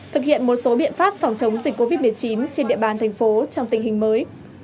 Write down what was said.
thực hiện một số biện pháp phòng chống dịch covid một mươi chín trên địa bàn thành phố trong tình hình mới